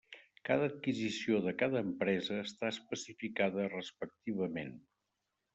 Cada adquisició de cada empresa està especificada respectivament.